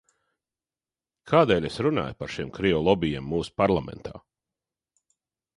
Kādēļ es runāju par šiem krievu lobijiem mūsu parlamentā?